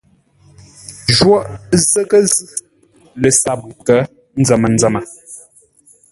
Jwóghʼ zə́ghʼə́ zʉ́ lə sáp nkə̌ nzəm-nzəmə.